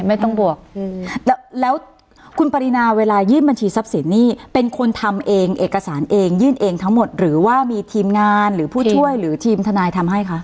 ไม่ต้องบวกแล้วแล้วคุณปรินาเวลายื่นบัญชีทรัพย์สินนี่เป็นคนทำเองเอกสารเองยื่นเองทั้งหมดหรือว่ามีทีมงานหรือผู้ช่วยหรือทีมทนายทำให้คะ